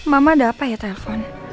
mama ada apa ya telpon